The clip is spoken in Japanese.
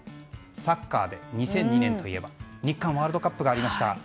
サッカーで２００２年といえば日韓ワールドカップがありました。